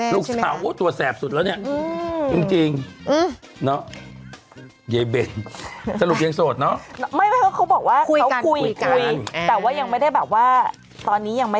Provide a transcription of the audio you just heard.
ลูกสาวคุณแม่ใช่ไหม